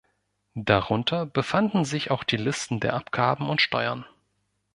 Darunter befanden sich auch die Listen der Abgaben und Steuern.